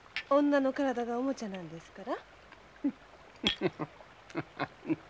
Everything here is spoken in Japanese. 女の体がおもちゃなんですから。